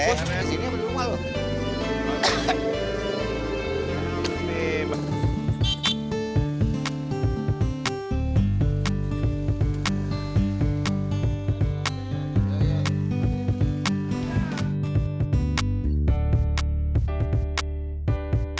pus disini apa di rumah lo